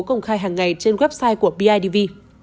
công khai hàng ngày trên website của bidv